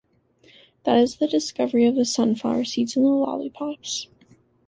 That is the discovery of the sunflower seeds and the lollypops.